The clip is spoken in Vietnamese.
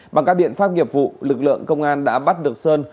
bằng các biện pháp nghiệp vụ lực lượng công an đã bắt được sơn